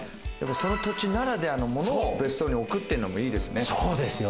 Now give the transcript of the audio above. その土地ならではのものを別荘に置くっていうのもいいですね。